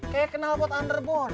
kayak kenal pot underborn